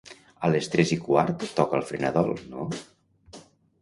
A les tres i quart toca el Frenadol, no?